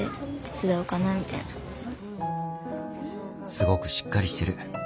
すごくしっかりしてる。